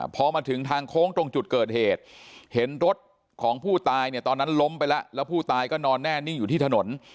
พอมาถึงทางโค้งตรงจุดเกิดเหตุเห็นรถของผู้ตายเนี่ยตอนนั้นล้มไปแล้วแล้วผู้ตายก็นอนแน่นิ่งอยู่ที่ถนน